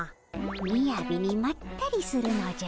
みやびにまったりするのじゃ。